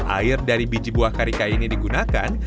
air dari biji buah karika ini digunakan